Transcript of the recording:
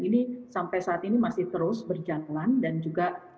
ini sampai saat ini masih terus berjalan dan juga